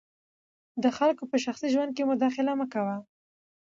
د خلګو په شخصي ژوند کي مداخله مه کوه.